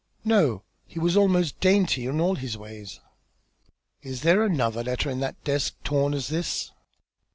"No. He was almost dainty in all his ways." "Is there another letter in that desk torn as this is?"